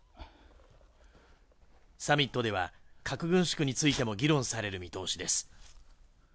サミットでは、核軍縮についても議論される見通しです。